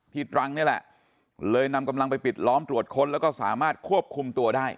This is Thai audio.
ตรังนี่แหละเลยนำกำลังไปปิดล้อมตรวจค้นแล้วก็สามารถควบคุมตัวได้